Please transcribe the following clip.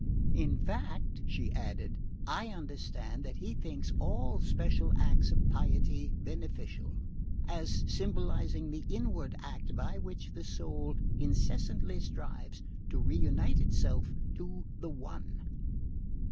In fact," she added, "I understand that he thinks all special acts of piety beneficial, as symbolising the inward act by which the soul incessantly strives to reunite itself to the One."